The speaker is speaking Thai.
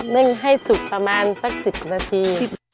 นึ่งให้สุกประมาณสัก๑๐นาที